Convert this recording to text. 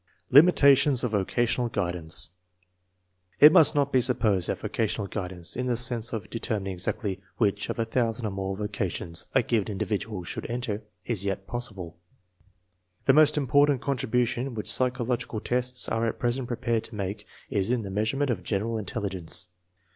Limitations of vocational guidance. It must not be supposed that vocational guidance, in the sense of de termining exactly which of a thousand or more voca tions a given individual should enter, is yet possible. The most important contribution which psychological tests are at present prepared to make is in the meas urement of general intelligence.